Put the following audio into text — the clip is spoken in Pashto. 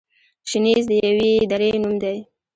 شنیز د یوې درې نوم دی.